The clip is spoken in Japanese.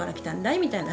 みたいなね